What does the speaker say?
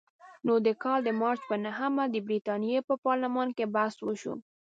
نو د کال د مارچ په نهمه د برتانیې په پارلمان کې بحث وشو.